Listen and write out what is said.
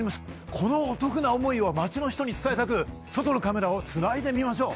このお得な思いを街の人に伝えたく外のカメラをつないでみましょう。